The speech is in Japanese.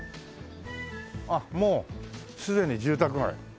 あっもうすでに住宅街。